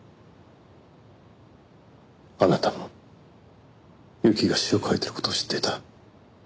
あなたも侑希が詩を書いている事を知っていた。